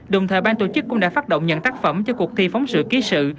đồng thời ban tổ chức cũng đã phát động nhận tác phẩm cho cuộc thi phóng sự ký sự